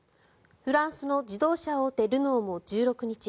フランスの自動車大手ルノーも１６日